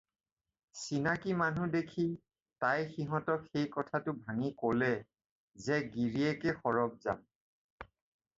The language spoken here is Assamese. চিনাকি মানুহ দেখি তাই সিহঁতক সেই কথাটো ভাঙি ক'লে যে গিৰীয়েকে সৰব্জান।